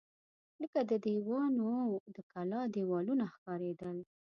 لکه د دیوانو د کلا دېوالونه ښکارېدل.